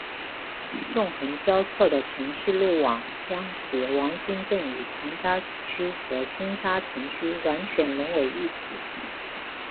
纵横交错的城市路网将使黄兴镇与长沙市区和星沙城区完全融为一体。